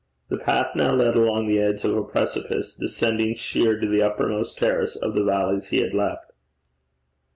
The path now led along the edge of a precipice descending sheer to the uppermost terrace of the valley he had left.